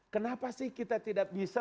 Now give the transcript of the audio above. kenapa sih kita tidak bisa